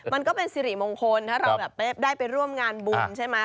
มันก็เป็นสิริมงคลถ้าเราแบบได้ไปร่วมงานบุญใช่ไหม